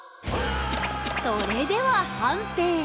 それでは判定！